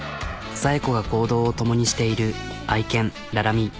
紗栄子が行動を共にしている愛犬ララミ。